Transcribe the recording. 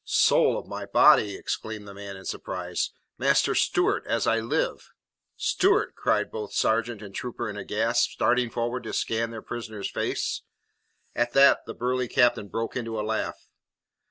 "Soul of my body," exclaimed the man in surprise, "Master Stewart, as I live." "Stuart!" cried both sergeant and trooper in a gasp, starting forward to scan their prisoner's face. At that the burly captain broke into a laugh.